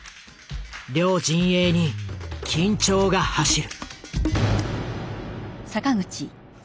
両陣営に緊張が走る。